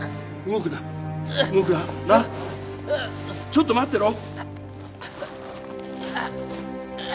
ちょっと待ってろ。